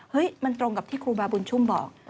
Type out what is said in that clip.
มันตรงกับที่ครูบาบุญชุ่มบอก